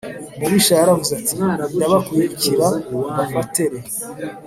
umubisha yaravuze ati ndabakurikira mbafate re